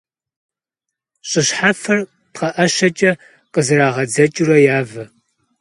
Щӏы щхьэфэр пхъэӏэщэкӏэ къызэрагъэдзэкӏыурэ явэ.